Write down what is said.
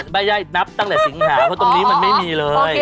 ไม่ได้นับตั้งแต่สิงหาเพราะตรงนี้มันไม่มีเลย